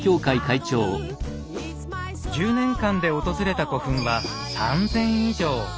１０年間で訪れた古墳は３，０００以上。